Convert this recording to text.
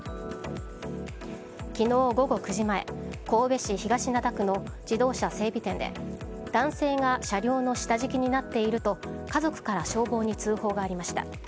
昨日午後９時前神戸市東灘区の自動車整備店で男性が車両の下敷きになっていると家族から消防に通報がありました。